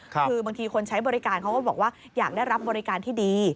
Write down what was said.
คือบางทีคนใช้บริการเขาก็บอกว่าอยากได้รับบริการที่ดี